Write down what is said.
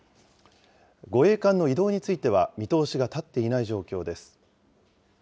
護衛艦の移動については見通しが立っていない状況です。